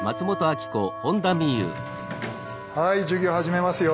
はい授業始めますよ。